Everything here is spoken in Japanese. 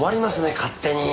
勝手に。